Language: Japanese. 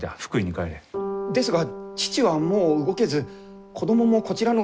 ですが父はもう動けず子供もこちらの学校に！